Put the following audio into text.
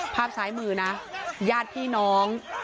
ภาพซ้ายมือนะญาติพี่น้อง